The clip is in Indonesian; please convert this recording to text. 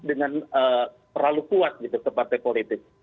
dengan terlalu kuat seperti partai politik